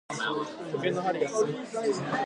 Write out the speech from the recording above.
時計の針が進む。